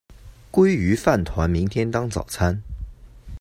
鲑鱼饭团明天当早餐